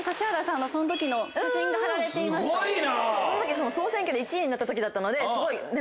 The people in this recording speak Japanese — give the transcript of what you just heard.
その時総選挙で１位になった時だったのですごい。